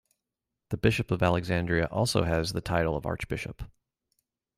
The Bishop of Alexandria also has the title of archbishop.